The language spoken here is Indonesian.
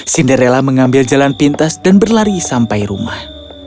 cinderella mengambil jalan pintas dan berlari sampai rumah